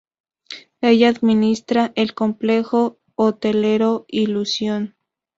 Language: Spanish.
Ella administra el complejo hotelero Illusion.